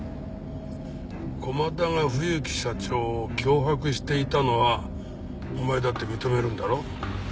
駒田が冬木社長を脅迫していたのはお前だって認めるんだろ？